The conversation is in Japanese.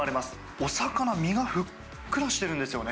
お魚、身がふっくらしてるんですよね。